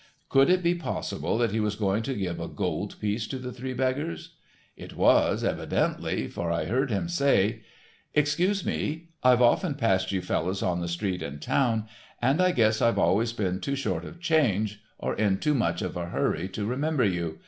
Could it be possible that he was going to give a gold piece to the three beggars? It was, evidently, for I heard him say: "Excuse me. I've often passed you fellows on the street, in town, and I guess I've always been too short of change, or in too much of a hurry to remember you.